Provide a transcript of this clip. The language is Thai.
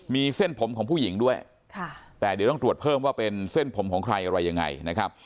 มีเส้นผมของผู้หญิงด้วยแต่เดี๋ยวต้องตรวจเพิ่มว่าเป็นเส้นผมของใครอะไรยังไงนะครับ